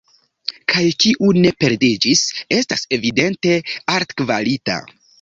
Kaj kiu ne perdiĝis, estas evidente altkvalita.